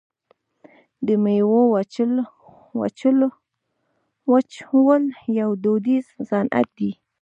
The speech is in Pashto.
د میوو وچول یو دودیز صنعت دی.